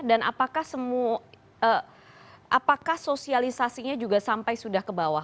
dan apakah sosialisasinya juga sampai sudah ke bawah